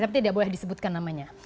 tapi tidak boleh disebutkan namanya